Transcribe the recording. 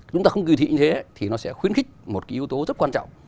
chúng ta không kỳ thị như thế thì nó sẽ khuyến khích một cái yếu tố rất quan trọng